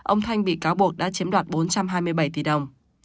ông thanh bị cáo buộc đã chiếm đoạt bốn trăm hai mươi bảy tỷ đồng